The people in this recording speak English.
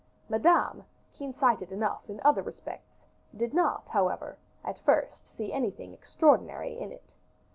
Madame, keen sighted enough in other respects, did not, however, at first see anything extraordinary in it.